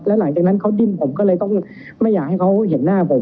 แล้วหลังจากนั้นเขาดิ้นผมก็เลยต้องไม่อยากให้เขาเห็นหน้าผม